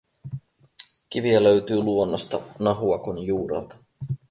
Kiviä löytyy luonnosta Nahuakon juurelta.